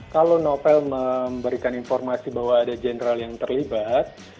kalau novel memberikan informasi bahwa ada general yang terlibat